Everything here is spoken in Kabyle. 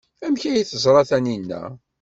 Amek ay teẓra Taninna?